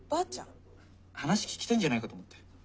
話聞きたいんじゃないかと思って。